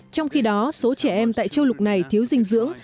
trong khi đó số trẻ em tại châu lục này thiếu dinh dưỡng